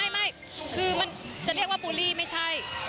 ไม่คือมันจะเรียกว่าบูลลี่ไม่ใช่